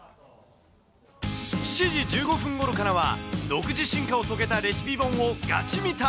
７時１５分ごろからは、独自進化を遂げたレシピ本をガチ見た。